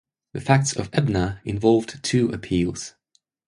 The facts of Ebner involved two appeals.